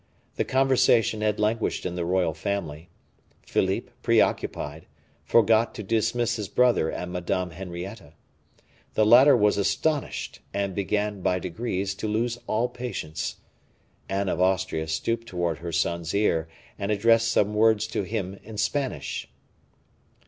The conversation had languished in the royal family; Philippe, preoccupied, forgot to dismiss his brother and Madame Henrietta. The latter were astonished, and began, by degrees, to lose all patience. Anne of Austria stooped towards her son's ear and addressed some words to him in Spanish.